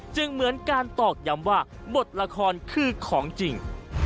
เหมือนการตอกย้ำว่าบทละครคือของจริง